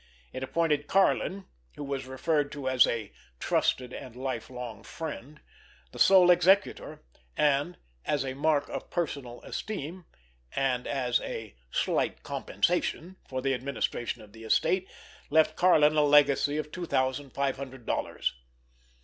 It appointed Karlin, who was referred to as a "trusted and lifelong friend," the sole executor; and, "as a mark of personal esteem," and as a "slight compensation" for the administration of the estate, left Karlin a legacy of two thousand five hundred dollars.